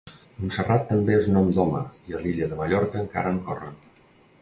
Montserrat també és nom d'home, i a l'illa de Mallorca encara en corren.